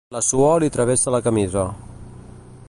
La suor li travessa la camisa.